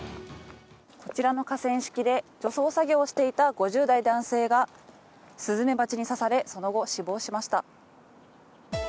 こちらの河川敷で除草作業をしていた５０代男性がすずめばちに刺され、その後死亡しました。